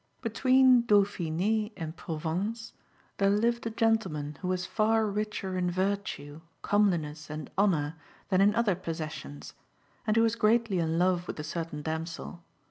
BETWEEN Dauphine and Provence there lived a gentleman who was far richer in virtue, comeli ness, and honour than in other possessions, and who was greatly in love with a certain damsel.